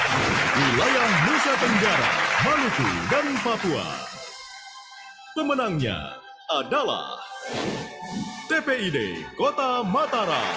di wilayah nusa tenggara maluku dan papua pemenangnya adalah tpid kota matara